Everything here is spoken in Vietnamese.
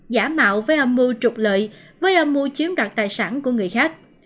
giả mạo với âm mưu trục lợi với âm mưu chiếm đoạt tài sản của người khác